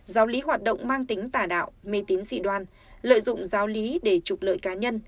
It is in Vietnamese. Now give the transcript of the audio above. giáo lý hoạt động mang tính tà đạo mê tín dị đoan lợi dụng giáo lý để trục lợi cá nhân